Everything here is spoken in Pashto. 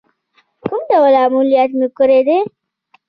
کوم ډول عملیات مو کړی دی؟